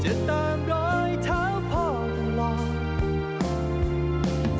จะตามรอยเท้าพ่อตลอด